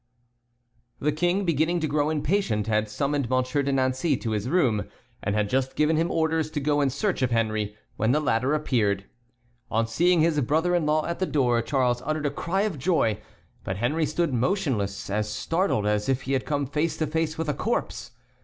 The King, beginning to grow impatient, had summoned Monsieur de Nancey to his room, and had just given him orders to go in search of Henry, when the latter appeared. On seeing his brother in law at the door Charles uttered a cry of joy, but Henry stood motionless, as startled as if he had come face to face with a corpse.